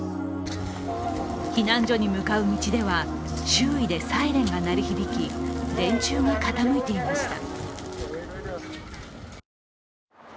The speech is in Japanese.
避難所に向かう道では、周囲でサイレンが鳴り響き、電柱が傾いていました。